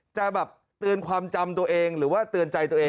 จะแบบเตือนความจำตัวเองหรือว่าเตือนใจตัวเอง